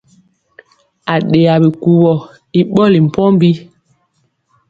Aɗeya bikuwɔ i ɓɔli mpɔmbi.